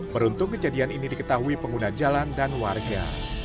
beruntung kejadian ini diketahui pengguna jalan dan warga